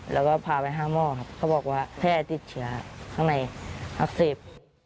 แล้วก็พาไป๕หม้อครับเขาบอกว่าแพทย์ติดเฉียวครับข้างในอักษิบ